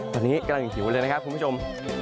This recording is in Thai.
ตอนนี้กำลังหิวเลยนะครับคุณผู้ชม